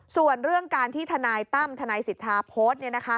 ส่วนเรื่องการที่ทนายตั้มทนายสิทธาโพสต์